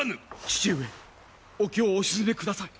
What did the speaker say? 父上お気をお静めください。